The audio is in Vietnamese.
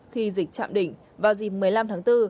khi dịch chạm đỉnh vào dịp một mươi năm tháng bốn